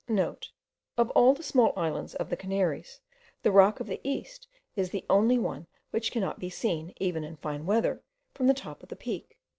(* Of all the small islands of the Canaries, the Rock of the East is the only one which cannot be seen, even in fine weather, from the top of the Peak.